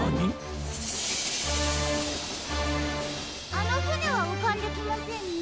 あのふねはうかんできませんね。